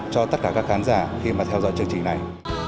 cho tất cả các khán giả khi mà theo dõi chương trình này